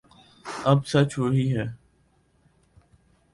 اب سچ وہی ہے